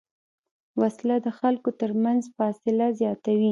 وسله د خلکو تر منځ فاصله زیاتوي